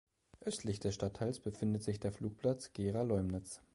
Östlich des Stadtteils befindet sich der Flugplatz Gera-Leumnitz.